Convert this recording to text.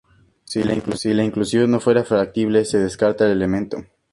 Si la inclusión no fuera factible, se descarta el elemento.